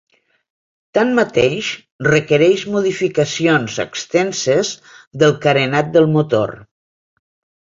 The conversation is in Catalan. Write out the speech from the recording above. Tanmateix, requereix modificacions extenses del carenat del motor.